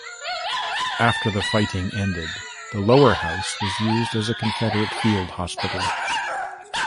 After the fighting ended, the lower house was used as a Confederate field hospital.